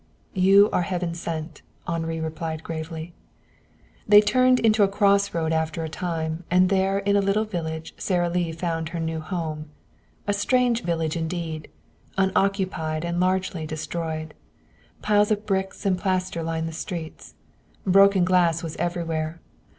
"You are heaven sent," Henri replied gravely. They turned into a crossroad after a time, and there in a little village Sara Lee found her new home. A strange village indeed, unoccupied and largely destroyed. Piles of bricks and plaster lined the streets. Broken glass was everywhere.